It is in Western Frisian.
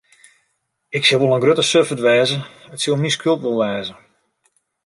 Ik sil wol in grutte suffert wêze, it sil myn skuld wol wêze.